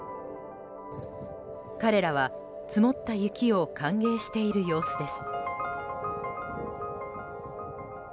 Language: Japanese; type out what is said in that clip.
彼らは積もった雪を歓迎している様子です。